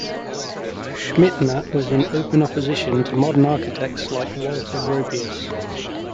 Schmitthenner was in open opposition to modern architects like Walter Gropius.